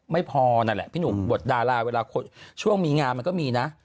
ไม่พอนั่นแหละพี่หนุ่มบทดาราเวลาช่วงมีงานมันก็มีนะ